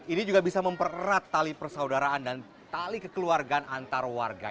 ini juga bisa mempererat tali persaudaraan dan tali kekeluargaan antar warga